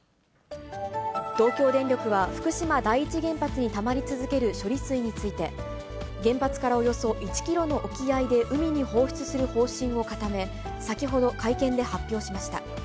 東京電力は、福島第一原発にたまり続ける処理水について、原発からおよそ１キロの沖合で海に放出する方針を固め、先ほど会見で発表しました。